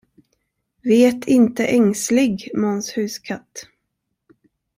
Vet inte ängslig, Måns huskatt!